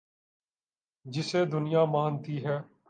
جسے دنیا مانتی ہے۔